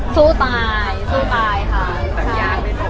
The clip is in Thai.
สุดท้ายสุดท้ายค่ะ